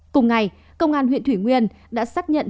cùng ngày công an huyện thủy nguyên đã xác nhận